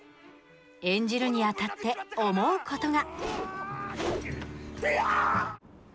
演じるにあたって思うことが。